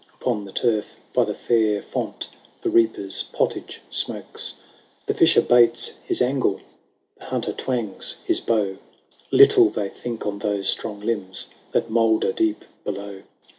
Upon the turf by the Fair Fount The reaper's pottage smokes. The fisher baits his angle ; The hunter twangs his bow ; Little they think on those strong limbs That moulder deep below.